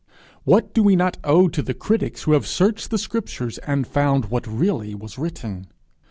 What do we not owe to the critics who have searched the scriptures, and found what really was written!